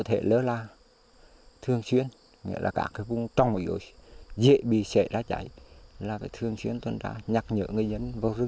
nên các thành viên ban quản lý rừng phòng hộ trong điều kiện địa hình bị chia cắt đường xá đi lại rất khó khăn và xa nguồn nước